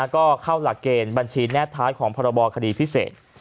ก็เข้าหลักเกณฑ์บัญชีแนบท้ายของพรบคดีพิเศษ